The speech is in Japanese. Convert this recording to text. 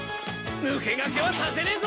抜け駆けはさせねえぞ！